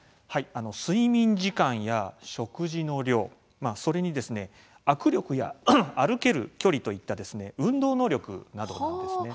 睡眠時間や食事の量、それに握力や歩ける距離といった運動能力などなんですね。